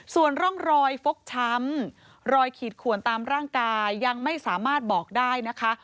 ส่วนร่องรอยฟกช้ำรอยขีดขวนตามร่างกายยังไม่สามารถบอกได้นะคะ